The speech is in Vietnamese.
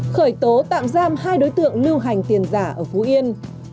khởi tố tạm giam hai đối tượng lưu hành tiền giả ở phú yên